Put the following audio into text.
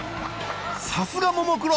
さすがももクロ！